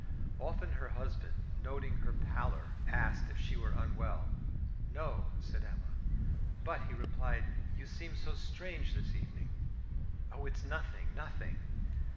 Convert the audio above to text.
Often her husband, noting her pallor, asked if she were unwell. "No," said Emma. "But," he replied, "you seem so strange this evening." "Oh, it's nothing! nothing!"